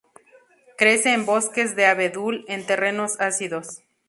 Crece en bosques de abedul, en terrenos ácidos.